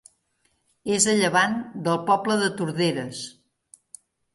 És a llevant del poble de Torderes.